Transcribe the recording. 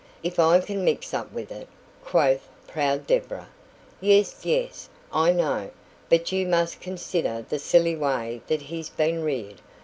"If I can mix up with it !" quoth proud Deborah. "Yes, yes I know; but you must consider the silly way that he's been reared.